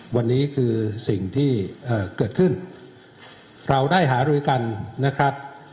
วันนี้คือสิ่งที่เกิดขึ้นเราได้หารือกันนะครับ